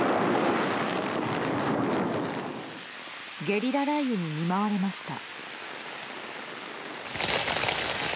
ゲリラ雷雨に見舞われました。